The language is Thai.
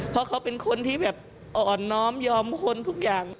เพราะเขาเป็นคนที่แบบอ่อนน้อมยอมคนทุกอย่าง